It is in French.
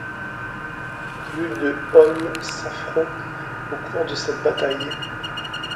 Plus de hommes s'affrontent au cours de cette bataille.